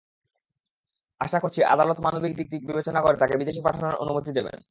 আশা করছি, আদালত মানবিক দিক বিবেচনা করে তাঁকে বিদেশ পাঠানোর অনুমতি দেবেন।